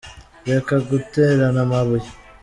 Reka guterana amabuye.